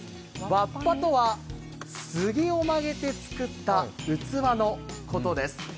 わっぱとは、杉を曲げて作った器のことです。